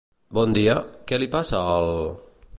Bon dia, què li passa al...?